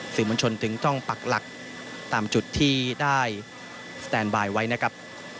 สื่อมวลชนจึงต้องปักหลักตามจุดที่ได้สแตนบายไว้นะครับ